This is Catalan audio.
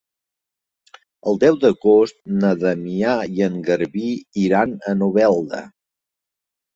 El deu d'agost na Damià i en Garbí iran a Novelda.